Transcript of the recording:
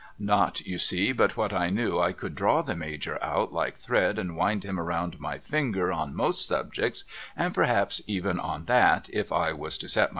Not you see but what I knew I could draw the Major out like thread and wind him round my finger on most subjects and perhaps even on that if I was to set